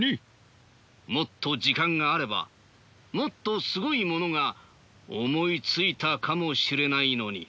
もっと時間があればもっとすごいものが思いついたかもしれないのに。